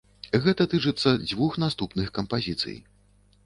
Гэта тычыцца дзвюх наступных кампазіцый.